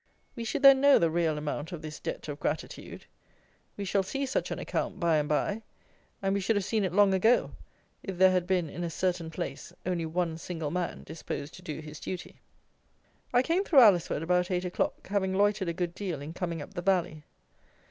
We should then know the real amount of this debt of gratitude. We shall see such an account by and by; and we should have seen it long ago if there had been, in a certain place, only one single man disposed to do his duty. I came through Alresford about eight o'clock, having loitered a good deal in coming up the valley.